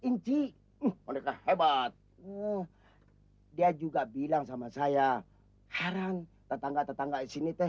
inci mereka hebat dia juga bilang sama saya heran tetangga tetangga sini teh